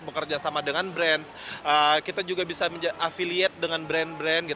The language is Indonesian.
bekerja sama dengan brand kita juga bisa afiliate dengan brand brand